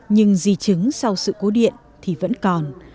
nhưng dì chứng sau sự cố điện thì vẫn còn